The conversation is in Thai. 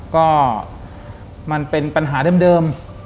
ก็มันเป็นปัญหาเดิม